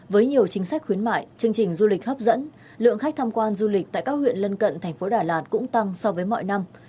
với nhiều chính sách khuyến mại chương trình du lịch hấp dẫn lượng khách tham quan du lịch tại các huyện lân cận thành phố đà lạt cũng tăng so với mọi năm